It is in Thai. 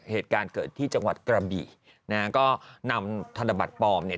เหตุการณ์เกิดที่จังหวัดกระบี่นะฮะก็นำธนบัตรปลอมเนี่ย